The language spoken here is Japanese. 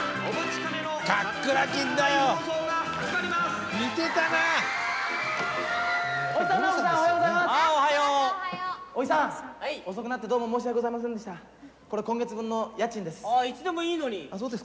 これ今月分の家賃です。